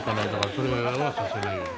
それはさせないように。